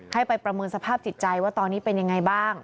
ให้ไปประเมินสภาพจิตใจว่าตอนนี้เป็นยังไงบ้าง